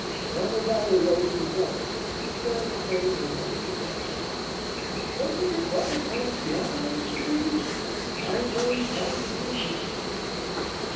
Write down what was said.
Then, as I arose to go, he said, turning again to Blanche: "Doesn't your daughter play the piano, Mrs. Beebe? I am very fond of music."